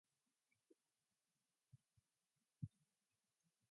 Leach is the home of Born Again Pews, a church furniture manufacturing company.